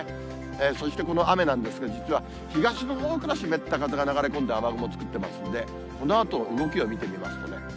そして、この雨なんですが、実は東のほうから湿った風が流れ込んで、雨雲を作ってますんで、このあと動きを見てみますとね。